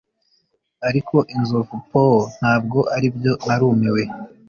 ariko inzovu poo ntabwo aribyo narumiwe